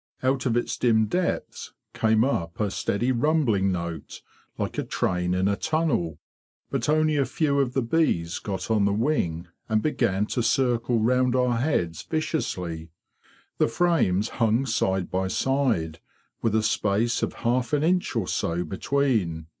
Out of its dim depths came up a steady rumbling note like a train in a tunnel, but only a few of the bees got on the wing and began tc circle round our heads viciously. The frames hung side by side, with a space of half an inch or so between.